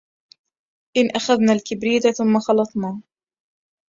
إن أخذنا الكبريت ثم خلطنا